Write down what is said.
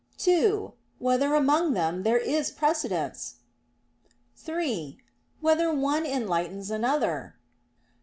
(2) Whether among them there is precedence? (3) Whether one enlightens another?